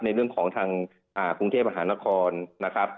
ในเรื่องของทางกรุงเทพมหานครนะครับ